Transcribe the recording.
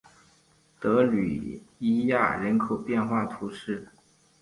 德吕伊亚人口变化图示